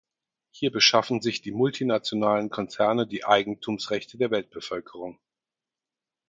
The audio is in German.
Hier beschaffen sich die multinationalen Konzerne die Eigentumsrechte der Weltbevölkerung!